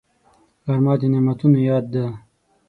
غرمه د نعمتونو یاد ده